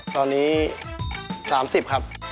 ตอนนี้๓๐ครับ